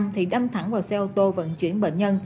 thì đâm thẳng vào xe ô tô vận chuyển bệnh nhân